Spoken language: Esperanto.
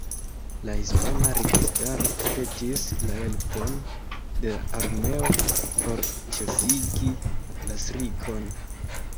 La hispana registaro petis la helpon de la armeo por ĉesigi la strikon.